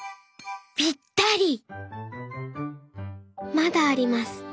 まだあります。